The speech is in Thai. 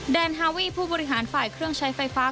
ฮาวีผู้บริหารฝ่ายเครื่องใช้ไฟฟ้า